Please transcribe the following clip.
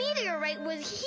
よし。